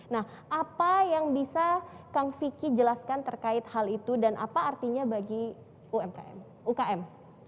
nah apa yang bisa kang vicky jelaskan terkait hal itu dan apa artinya bagi umkm